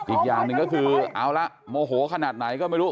อีกอย่างหนึ่งก็คือเอาละโมโหขนาดไหนก็ไม่รู้